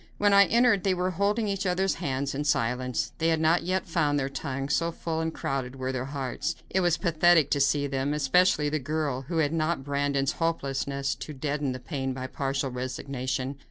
When I entered they were holding each other's hands, in silence. They had not yet found their tongues, so full and crowded were their hearts. It was pathetic to see them, especially the girl, who had not Brandon's hopelessness to deaden the pain by partial resignation.